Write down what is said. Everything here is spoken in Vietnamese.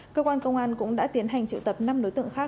cơ quan công an cũng đã tiến hành triệu tập năm đối tượng khác